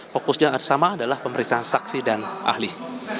fokus yang sama adalah pemeriksaan saksi dan alih